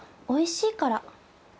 おいしいから。